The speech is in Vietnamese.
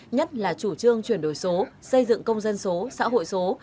nhất là chủ trương chuyển đổi số xây dựng công dân số xã hội số